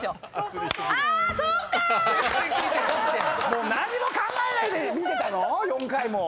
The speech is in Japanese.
もう何も考えないで見てたの⁉４回も。